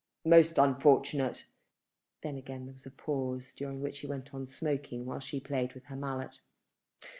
"Most unfortunate!" Then again there was a pause, during which he went on smoking while she played with her mallet.